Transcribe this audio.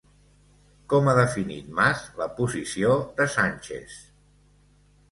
Com ha definit Mas la posició de Sánchez?